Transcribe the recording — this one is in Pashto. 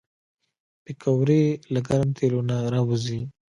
پکورې له ګرم تیلو نه راوځي